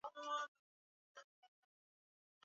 Twendeni twangarie mbele nkuni ya mama ku mashamba yake